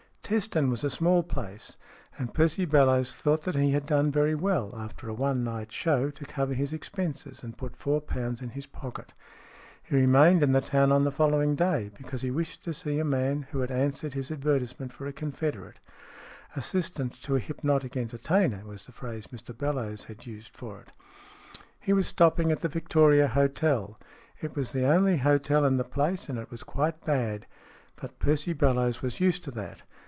Teston was a small place, ajid Percy Bellowes thought that he had done very well, after a one night show, to cover his expenses and put four pounds in his pocket. He remained in the town on the following day, because he wished to see a man who had answered his advertisement for a confederate, " Assistant to a Hypnotic Enter SMEATH 3 tainer" was the phrase Mr Bellowes had used for it. He was stopping at the Victoria Hotel. It was the only hotel in the place, and it was quite bad. But Percy Bellowes was used to that.